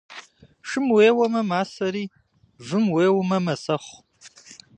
Шым еуэмэ масэри, вым еуэмэ мэсэхъу.